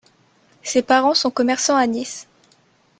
Ses parents sont commerçants à Nice.